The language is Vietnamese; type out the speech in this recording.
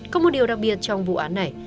có một điều đặc biệt trong vụ án này